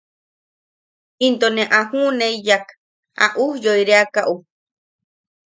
Into ne a juʼuneiyak a ujyoireakaʼu.